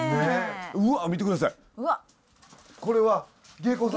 うわっ見て下さい！